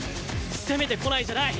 攻めてこないんじゃない！